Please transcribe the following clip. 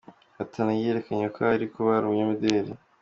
hatana yiyekerekana uko ari, kuba ari umunyamideli.